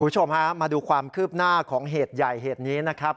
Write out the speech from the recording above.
คุณผู้ชมฮะมาดูความคืบหน้าของเหตุใหญ่เหตุนี้นะครับ